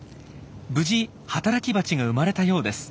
無事働きバチが生まれたようです。